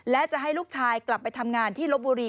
และจะให้ลูกชายกลับไปทำงานที่ลบบุรี